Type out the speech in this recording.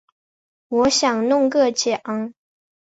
我想弄个奖